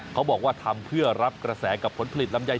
เขาบอกว่าทำเพื่อรับกระแสกับผลผลิตลำไย